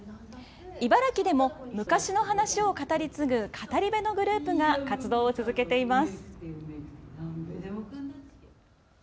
茨城でも昔の話を語り継ぐ語り部のグループが活動を続けています。